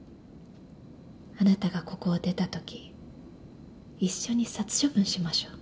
あなたがここを出たとき一緒に殺処分しましょう